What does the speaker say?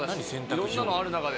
いろんなのある中で。